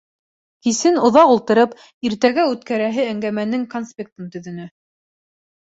Кисен, оҙаҡ ултырып, иртәгә үткәрәһе әңгәмәнең конспектын төҙөнө.